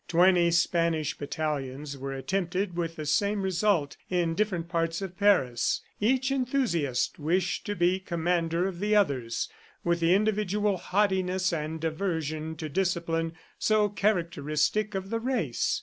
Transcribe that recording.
Twenty Spanish battalions were attempted with the same result in different parts of Paris. Each enthusiast wished to be commander of the others, with the individual haughtiness and aversion to discipline so characteristic of the race.